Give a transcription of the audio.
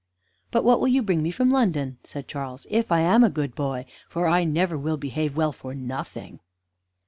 "But what will you bring me from London," said Charles, "if I am a good boy? for I never will behave well for nothing."